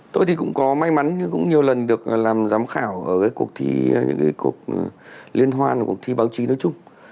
tôi thì cũng có may mắn cũng nhiều lần được làm giám khảo ở những cuộc thi liên hoan cuộc thi báo chí nói chung